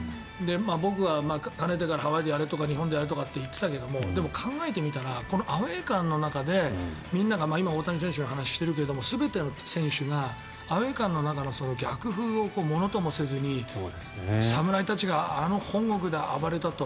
僕はかねてからハワイでやれとか日本でやれとか言っていたけど、でも考えてみたらこのアウェー感の中でみんなが今大谷選手の話をしているけど全ての選手がアウェー感の中の逆風をものともせずに侍たちがあの本国で暴れたと。